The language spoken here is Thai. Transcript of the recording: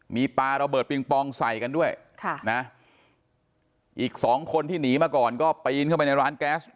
มีปลาระเบิดปิงปองใส่กันด้วยค่ะนะอีกสองคนที่หนีมาก่อนก็ปีนเข้าไปในร้านแก๊ส